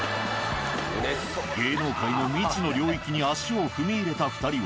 芸能界の未知の領域に足を踏み入れた２人は。